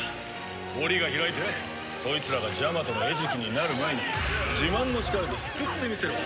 檻が開いてそいつらがジャマトの餌食になる前に自慢の力で救ってみせろ。